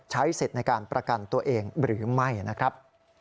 ใช้สิทธิ์ในการประกันตัวเองหรือไม่นะครับ